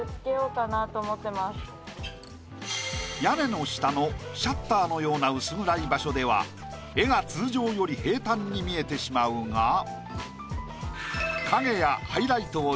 屋根の下のシャッターのような薄暗い場所では絵が通常より平坦に見えてしまうが。